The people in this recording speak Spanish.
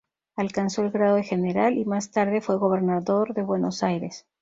Alcanzó el grado de general y, más tarde, fue gobernador de Buenos Aires.